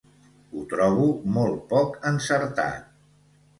Ho trobo molt poc encertat.